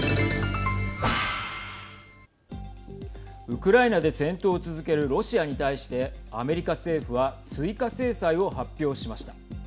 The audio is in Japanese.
ウクライナで戦闘を続けるロシアに対してアメリカ政府は追加制裁を発表しました。